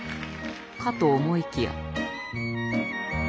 かと思いきや。